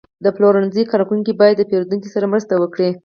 د پلورنځي کارکوونکي باید د پیرودونکو سره مرسته وکړي.